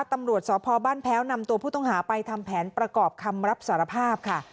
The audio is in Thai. ตำรวจสพบ้านแพ้วนำตัวผู้ต้องหาไปทำแผนประกอบคำรับสารภาพค่ะ